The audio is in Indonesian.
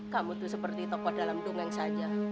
kamu tuh seperti tokoh dalam dongeng saja